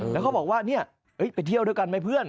แล้วเขาบอกว่าเนี่ยไปเที่ยวด้วยกันไหมเพื่อน